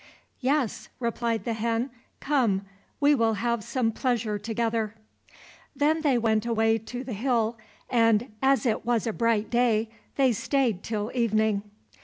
"Yes," replied the hen, "come, we will have some pleasure together." Then they went away to the hill, and on it was a bright day they stayed till evening.